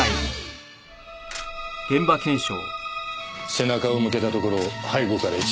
背中を向けたところを背後から一撃か。